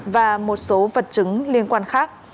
và một số vật chứng liên quan khác